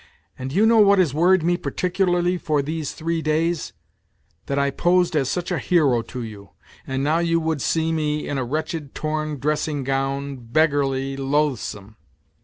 And do you know what has worried me particularly for these three days ? That I posed as such a hero to you, and now you would see me in a wretched torn dressing gown, beggarly, loathsome.